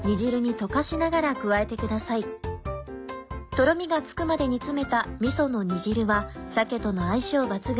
とろみがつくまで煮詰めたみその煮汁は鮭との相性抜群。